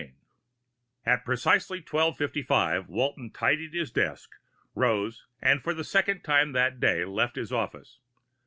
IV At precisely 1255 Walton tidied his desk, rose and for the second time that day, left his office.